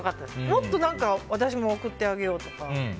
もっと私も送ってあげようとか。